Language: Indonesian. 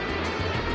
jangan makan aku